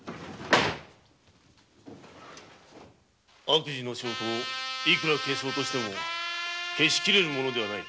悪事の証拠は幾ら消そうとしても消しきれるものではない。